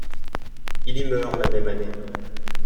Il y meurt la même année.